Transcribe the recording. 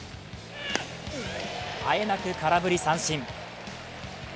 あえなく空振り三振。